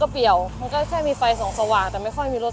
สวัสดีครับที่ได้รับความรักของคุณ